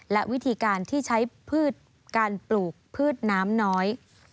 และวิธีการที่ใช้พืชการปลูกพืชน้ำน้อย